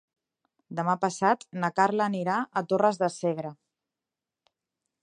Demà passat na Carla anirà a Torres de Segre.